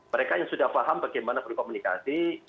mereka yang sudah paham bagaimana perlu komunikasi